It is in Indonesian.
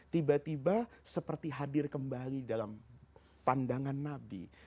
tiba tiba seperti hadir kembali dalam pandangan nabi